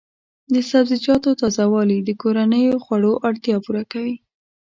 د سبزیجاتو تازه والي د کورنیو خوړو اړتیا پوره کوي.